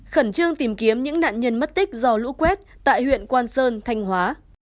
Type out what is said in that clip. khẩn trương tìm kiếm những nạn nhân mất tích do lũ quét tại huyện quan sơn thanh hóa